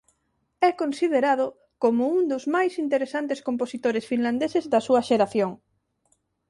É considerado como un dos máis interesantes compositores finlandeses da súa xeración.